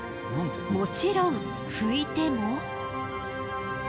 もちろん拭いても。